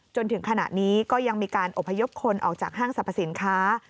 จนถึงขณะนี้ก็ยังมีการอบพยพคนออกจากห้างสรรพสินค้า